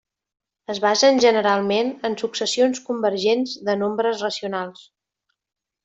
Es basen generalment en successions convergents de nombres racionals.